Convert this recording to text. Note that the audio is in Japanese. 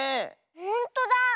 ほんとだ。